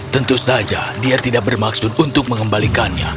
tentu saja dia tidak bermaksud untuk mengembalikannya